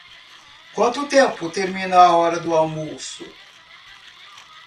Quanto tempo termina a hora do almoço?